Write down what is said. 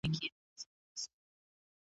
هر وګړی باید د حقایقو پلټنه وکړي.